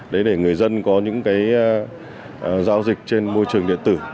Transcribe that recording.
để người dân có những giao dịch trên môi trường điện tử